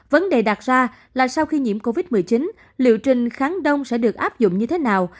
vấn đề đặt ra là sau khi nhiễm covid một mươi chín liệu trình kháng đông sẽ được áp dụng như thế nào